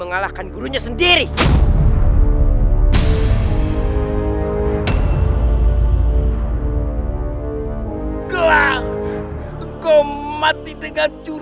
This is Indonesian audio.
itu hanya darimu